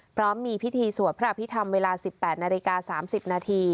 พร้อมมีพิธีสวดพระอภิษฐรรมเวลา๑๘นาฬิกา๓๐นาที